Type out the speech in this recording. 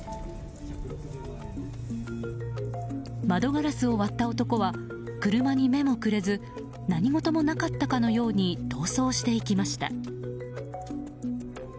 窓ガラスを割った男は車に目もくれず何事もなかったかのように逃走していきました。